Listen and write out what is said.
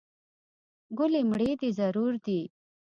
ګلې مړې دې زورور دي.